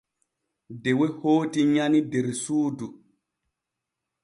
Dewe hooti nyani der suudu.